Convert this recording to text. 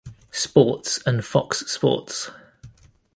Sports and Fox Sports.